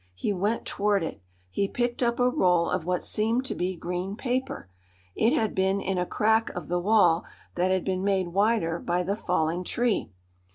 He went toward it. He picked up a roll of what seemed to be green paper. It had been in a crack of the wall that had been made wider by the falling tree.